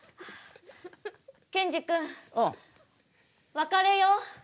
別れよう。